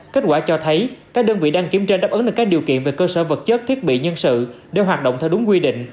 kết quả cho thấy các đơn vị đăng kiểm trên đáp ứng được các điều kiện về cơ sở vật chất thiết bị nhân sự đều hoạt động theo đúng quy định